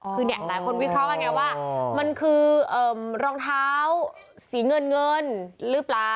คือเนี่ยหลายคนวิเคราะห์กันไงว่ามันคือรองเท้าสีเงินเงินหรือเปล่า